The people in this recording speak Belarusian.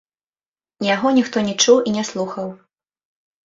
Яго ніхто не чуў і не слухаў.